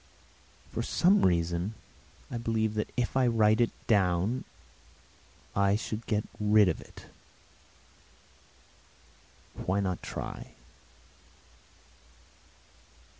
For some reason I believe that if I write it down I should get rid of it. Why not try?